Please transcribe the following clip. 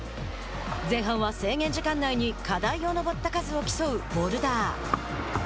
前半は制限時間内に課題を登った数を競うボルダー。